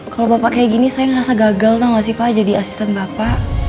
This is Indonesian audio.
kalau bapak kayak gini saya ngerasa gagal gak sih pak jadi asisten bapak